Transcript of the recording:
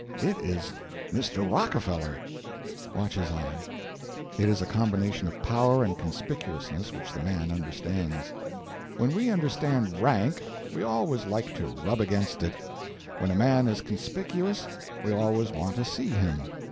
It is Mr. Rockefeller." Watch his eye. It is a combination of power and conspicuousness which the man understands. When we understand rank, we always like to rub against it. When a man is conspicuous, we always want to see him.